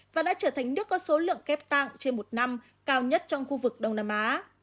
và đã trở thành nước có số lượng kép tạng trên một năm cao nhất trong khu vực đông nam á